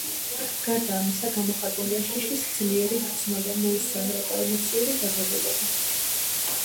გარდა ამისა, გამოხატულია შიშის ძლიერი გრძნობა, მოუსვენრობა, ემოციური დაძაბულობა.